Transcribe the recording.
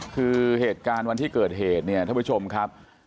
คือเหตุการณ์วันที่เกิดเหตุเนี่ยท่านผู้ชมครับ